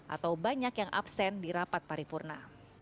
atau banyak yang absen di rapat paripurna